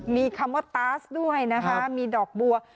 มีคำว่าตาสด้วยนะคะมีดอกบัว